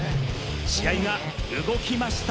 試合が動きました。